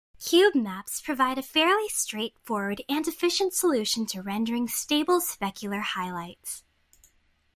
Cube maps provide a fairly straightforward and efficient solution to rendering stable specular highlights.